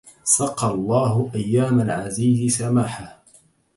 سقى الله أيام العزيز سماحه